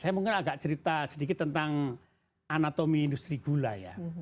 saya mungkin agak cerita sedikit tentang anatomi industri gula ya